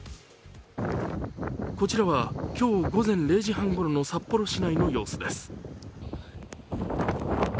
こちらは今日午前０時半すぎの札幌市内の様子です。